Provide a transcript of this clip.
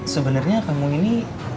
sebenernya kamu ini